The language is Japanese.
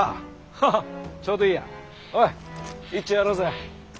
ハハッちょうどいいやおいいっちょやろうぜ。